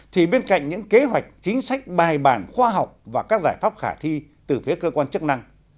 thì bên cạnh những kế hoạch chính sách bài bản khoa học và các giải pháp khả thi từ phía cơ quan chức năng